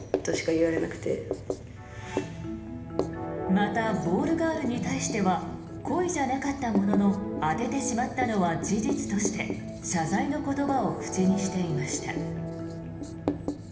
また、ボールガールに対しては故意じゃなかったものの当ててしまったのは事実として謝罪の言葉を口にしていました。